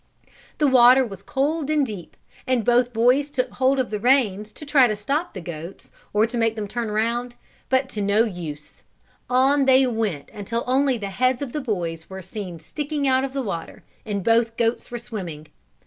The water was cold and deep and both boys took hold of the reins to try to stop the goats or make them turn round but to no use; on they went until only the heads of the boys were seen sticking out of the water and both goats were swimming.